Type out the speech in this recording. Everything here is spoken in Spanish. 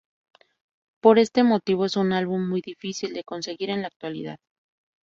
Por este motivo, es un álbum muy difícil de conseguir en la actualidad.